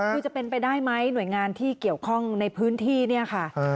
คือจะเป็นไปได้ไหมหน่วยงานที่เกี่ยวข้องในพื้นที่เนี่ยค่ะ